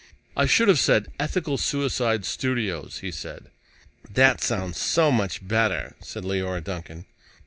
"I should have said, 'Ethical Suicide Studios,'" he said. "That sounds so much better," said Leora Duncan.